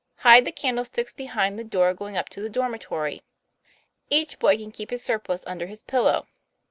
Hide the candlesticks behind the door going up to the dormitory. Each boy can keep his surplice under his pillow.